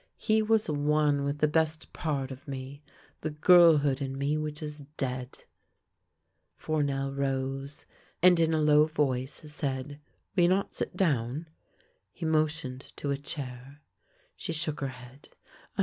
He was one with the best part of me, the girl hood in me which is dead! " THE LANE THAT HAD NO TURNING tj Fournel rose, and in a low voice said: " Will you not sit down? " He motioned to a chair. She shook her head.